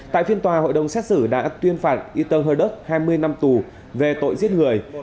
tại phiên tòa hội đồng xét xử đã tuyên phạt y tơn hơi đất hai mươi năm tù về tội giết người